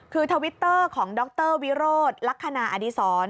คือทวิตเตอร์ของดรวิโรธลักษณะอดีศร